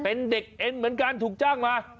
เป็นเด็กเอ็นเหมือนกันถูกจ้างมา